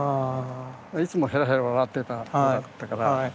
いつもへらへら笑ってた子だったから。